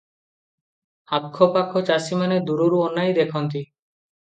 ଆଖ ପାଖ ଚାଷିମାନେ ଦୂରରୁ ଅନାଇ ଦେଖନ୍ତି